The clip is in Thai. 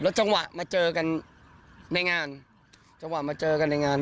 จังหวะมาเจอกันในงานจังหวะมาเจอกันในงาน